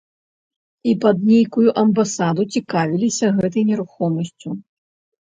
І пад нейкую амбасаду цікавіліся гэтай нерухомасцю.